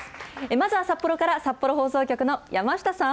まずは札幌から、札幌放送局の山下さん。